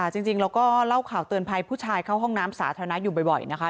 จริงเราก็เล่าข่าวเตือนภัยผู้ชายเข้าห้องน้ำสาธารณะอยู่บ่อยนะคะ